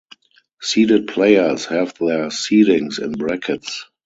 Seeded players have their seedings in brackets.